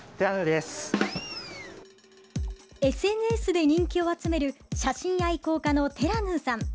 ＳＮＳで人気を集める写真愛好家の、てらぬさん。